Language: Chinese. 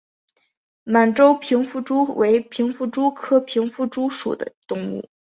满洲平腹蛛为平腹蛛科平腹蛛属的动物。